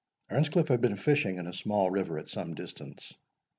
Earnscliff had been fishing in a small river at some distance.